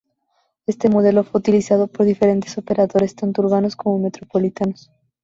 Este modelo fue muy utilizado por diferentes operadores, tanto urbanos como metropolitanos.